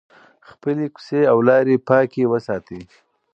خپلې کوڅې او لارې پاکې وساتئ.